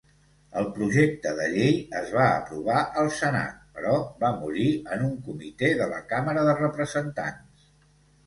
El projecte de llei es va aprovar al Senat, però va morir en un comitè de la Càmera de Representants.